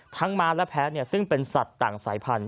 ม้าและแพ้ซึ่งเป็นสัตว์ต่างสายพันธุ